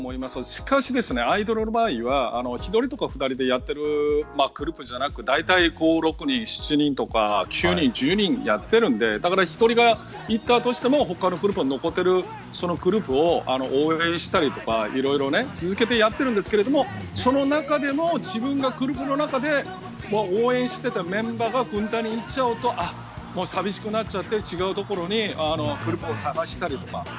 しかし、アイドルの場合は１人や２人でやっているグループじゃなくだいたい、７人とか９人でやっているので１人が行ったとしても他の人は残っているグループを応援したりとか続けてやってるんですけどその中でもグループの中で応援していたメンバーが軍隊に行っちゃうと寂しくなって、違うところにグループを探したりとか。